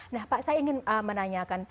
nah pak saya ingin menanyakan